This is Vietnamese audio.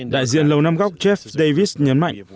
đại diện lầu nam góc jeff davis nhấn mạnh